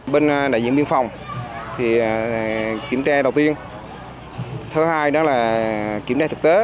bên đại diện biên phòng thì kiểm tra đầu tiên thứ hai đó là kiểm tra thực tế